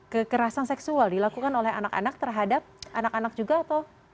kekerasan seksual dilakukan oleh anak anak terhadap anak anak juga atau